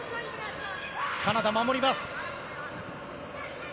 カナダ守ります。